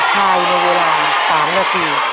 ภายในเวลา๓นาที